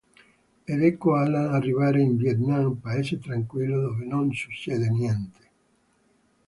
Ed ecco Alan arrivare in Vietnam, paese tranquillo dove non succede niente.